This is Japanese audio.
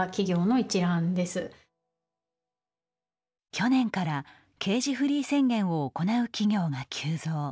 去年からケージフリー宣言を行う企業が急増。